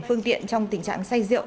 phương tiện trong tình trạng xe rượu